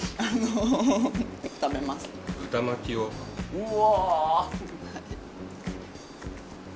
うわ！